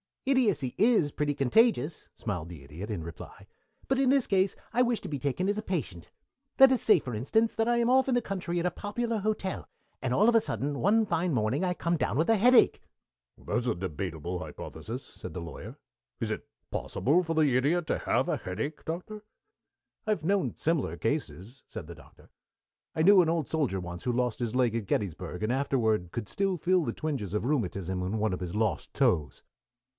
"Idiocy is pretty contagious," smiled the Idiot, in reply, "but in this case I wish to be taken as a patient. Let us say, for instance, that I am off in the country at a popular hotel, and all of a sudden some fine morning I come down with a headache " "That's a debatable hypothesis," said the Lawyer. "Is it possible for the Idiot to have a headache, Doctor?" "I have known similar cases," said the Doctor. "I knew an old soldier once who lost his leg at Gettysburg, and years afterward could still feel the twinges of rheumatism in one of his lost toes."